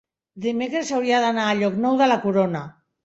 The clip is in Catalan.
Dimecres hauria d'anar a Llocnou de la Corona.